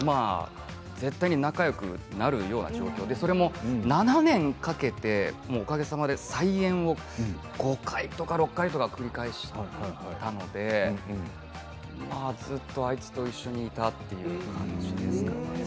絶対に仲よくなるような状況でそれも７年かけて、おかげさまで再演を５回とか６回とか繰り返したのでずっとあいつと一緒にいたという感じですかね。